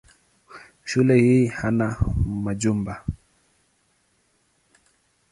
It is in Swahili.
Shule hii hana majumba.